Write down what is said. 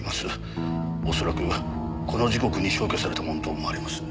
恐らくこの時刻に消去されたものと思われます。